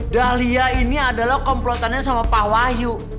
dahlia ini adalah komplotannya sama pak wahyu